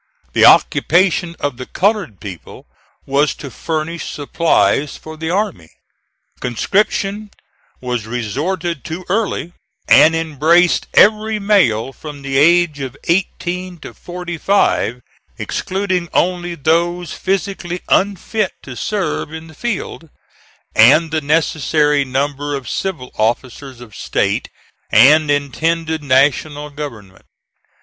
The occupation of the colored people was to furnish supplies for the army. Conscription was resorted to early, and embraced every male from the age of eighteen to forty five, excluding only those physically unfit to serve in the field, and the necessary number of civil officers of State and intended National government.